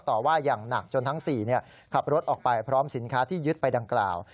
ต่อว่าอย่างหนักจนทั้ง๔ขับรถออกไปพร้อมสินค้าที่ยึดไปดังกล่าว